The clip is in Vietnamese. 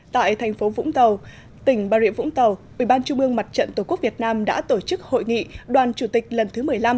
tại thành phố vũng tàu tỉnh bà rịa vũng tàu ủy ban trung ương mặt trận tổ quốc việt nam đã tổ chức hội nghị đoàn chủ tịch lần thứ một mươi năm